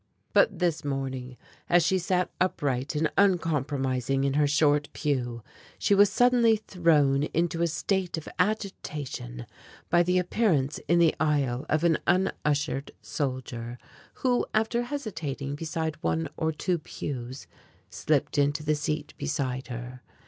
But this morning as she sat upright and uncompromising in her short pew, she was suddenly thrown into a state of agitation by the appearance in the aisle of an un ushered soldier who, after hesitating beside one or two pews, slipped into the seat beside her.